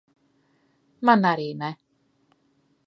Man arī ne.